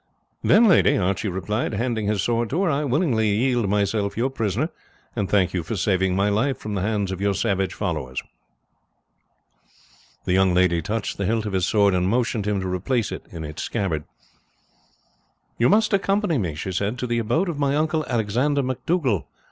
"Then, lady," Archie replied, handing his sword to her, "I willingly yield myself your prisoner, and thank you for saving my life from the hands of your savage followers." The young lady touched the hilt of his sword, and motioned him to replace it in its scabbard. "You must accompany me," she said, "to the abode of my uncle Alexander MacDougall.